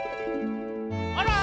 あら！